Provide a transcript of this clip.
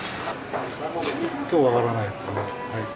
ちょっと分からないですね。